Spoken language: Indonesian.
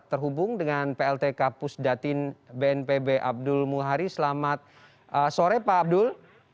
terhubung dengan pltk pusdatin bnpb abdul muhari selamat sore pak abdul